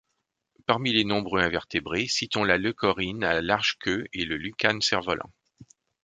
Parmi les nombreux invertébrés, citons la Leucorrhine à large queue et le Lucane cerf-volant.